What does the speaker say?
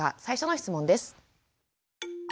最初の質問です。